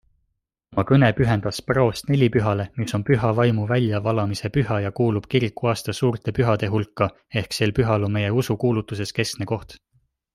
Oma kõne pühendas praost nelipühale, mis on Püha Vaimu väljavalamise püha ja kuulub kirikuaasta suurte pühade hulka ehk sel pühal on meie usukuulutuses keskne koht.